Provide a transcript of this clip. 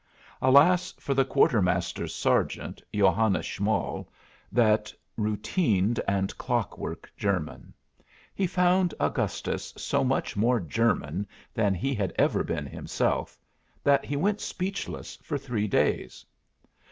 Alas for the Quartermaster's sergeant, Johannes Schmoll, that routined and clock work German! He found Augustus so much more German than he had ever been himself, that he went speechless for three days.